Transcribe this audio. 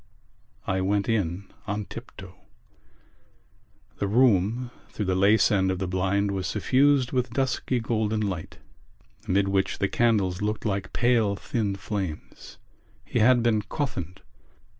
I went in on tiptoe. The room through the lace end of the blind was suffused with dusky golden light amid which the candles looked like pale thin flames. He had been coffined.